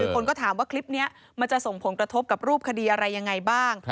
คนก็ถามว่าคลิปนี้มันจะส่งผลกระทบกับรูปคดีอะไรยังไงบ้าง